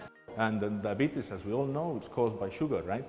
diabetes seperti kita semua tahu disebabkan oleh kefir